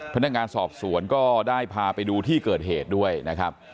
พนักงานสอบสวนก็ได้พาไปดูที่เกิดเหตุด้วยนะครับ